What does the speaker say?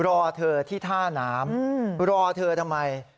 รอเธอที่ท่าน้ำรอเธอทำไม